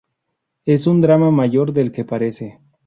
Es un drama mayor del que parece.